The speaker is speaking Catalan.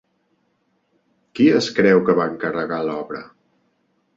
Qui es creu que va encarregar l'obra?